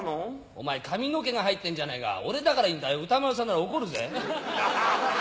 お前、髪の毛が入ってるんじゃないか、俺だからいいんだよ、歌丸さんだったら怒るぜ。